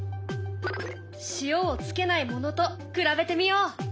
塩をつけないものと比べてみよう。